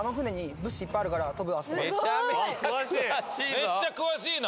めっちゃ詳しいな。